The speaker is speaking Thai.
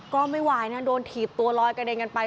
ก็ไม่ไหวนะโดนถีบตัวลอยกระเด็นกันไป